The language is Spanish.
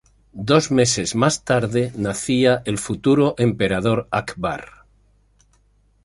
Dos meses más tarde nacía el futuro emperador Akbar.